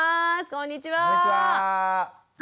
こんにちは。